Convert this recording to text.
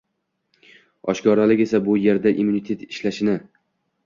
Oshkoralik esa bu yerda immunitet ishlashini